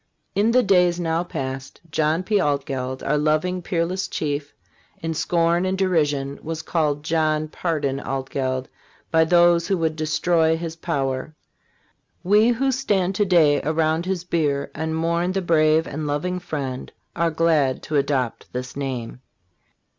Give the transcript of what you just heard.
In the days now past, John P. Altgeld, our loving, peerless chief, in scorn and derision was called John Pardon Altgeld by those who would destroy his power. We who stand to day around his bier and mourn the brave and loving friend are glad to adopt this name.